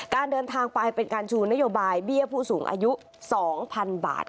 เดินทางไปเป็นการชูนโยบายเบี้ยผู้สูงอายุ๒๐๐๐บาท